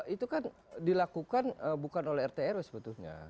itu kan dilakukan bukan oleh rt rw sebetulnya